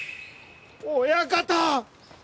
親方！